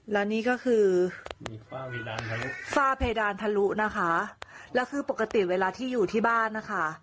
และนี่ก็คือฝ้าเพดานทะลุฝ้าเพดานทะลุนะคะแล้วคือปกติเวลาที่อยู่ที่บ้านนะคะ